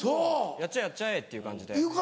やっちゃえやっちゃえっていう感じで。